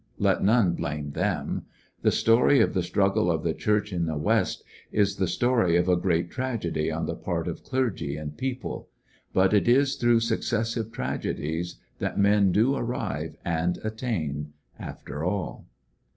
Let none blame them. The story of the struggle of the Church in the West is the story of a great tragedy on the part of clergy and people ; but it is through successive tragedies that men do arrive and attain, after all.